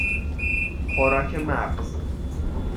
خوراک مغز